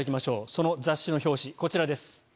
その雑誌の表紙こちらです。